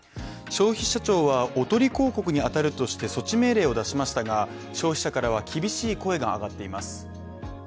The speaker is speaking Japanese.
消費者庁はおとり広告に当たるとして措置命令を出しましたが、消費者からは厳しい声が上がっています。